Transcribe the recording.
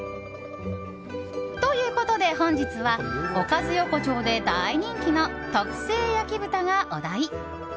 ということで本日はおかず横丁で大人気の特製焼豚がお題。